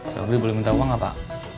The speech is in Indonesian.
sobri boleh minta uang gak pak